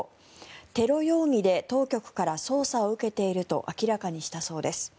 テロ容疑で当局から捜査を受けていると明らかにしたそうです。